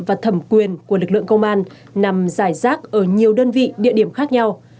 và thẩm quyền của lực lượng công an nằm giải rác ở nhiều đơn vị địa điểm khác nhau